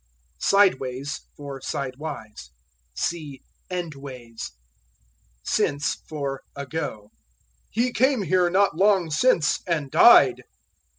Sideways for Sidewise. See Endways. Since for Ago. "He came here not long since and died."